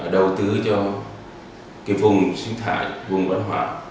đầu tư cho vùng sinh thải vùng văn hóa